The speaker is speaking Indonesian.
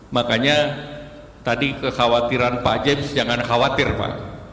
makanya tadi kekhawatiran pak james jangan khawatir pak